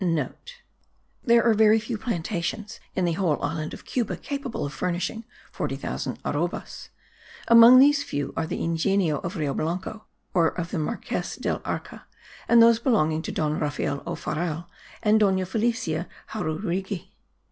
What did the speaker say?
(* There are very few plantations in the whole island of Cuba capable of furnishing 40,000 arrobas; among these few are the yngenio of Rio Blanco, or of the Marquess del Arca, and those belonging to Don Rafael Ofarrel and Dona Felicia Jaurregui.